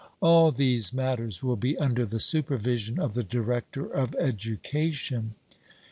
All these matters will be under the supervision of the Director of Education.